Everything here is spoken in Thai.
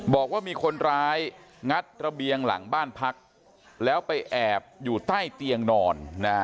บอกว่ามีคนร้ายงัดระเบียงหลังบ้านพักแล้วไปแอบอยู่ใต้เตียงนอน